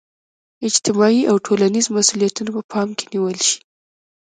اجتماعي او ټولنیز مسولیتونه په پام کې نیول شي.